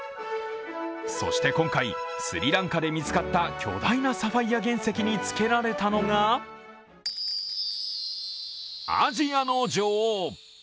そして今回、スリランカで見つかった巨大なサファイア原石に付けられたのがアジアの女王。